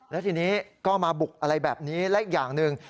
แล้วทีนี้ก็มาบุกอะไรแบบนี้และอีกอย่างหนึ่ง